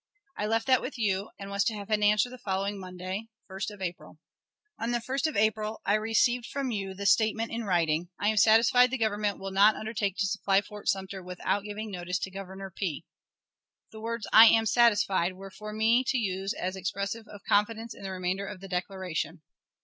I left that with you, and was to have an answer the following Monday (1st of April). On the 1st of April I received from you the statement in writing, "I am satisfied the Government will not undertake to supply Fort Sumter without giving notice to Governor P." The words "I am satisfied" were for me to use as expressive of confidence in the remainder of the declaration.